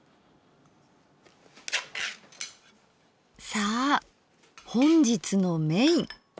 さあ本日のメイン。